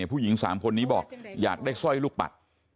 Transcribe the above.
ผู้หญิง๓คนนี้บอกอยากได้สร้อยลูกปัด